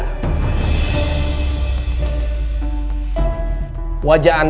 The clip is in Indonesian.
kami meminta anda ikut kami sekarang juga ke kantor